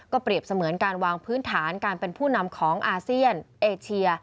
เปรียบเสมือนการวางพื้นฐานการเป็นผู้นำของอาเซียนเอเชีย